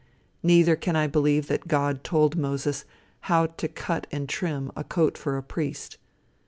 Neither can I believe that God told Moses how to cut and trim a coat for a priest.